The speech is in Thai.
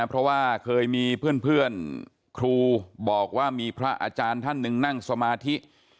เพราะว่าเคยมีเพื่อนครูบอกว่ามีพระอาจารย์ท่านหนึ่งนั่งสมาธิ